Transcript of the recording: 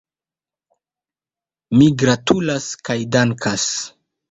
Mi gratulas kaj dankas.